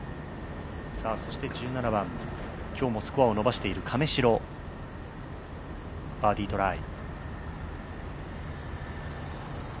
そして１７番、今日もスコアを伸ばしている亀代、バーディートライ。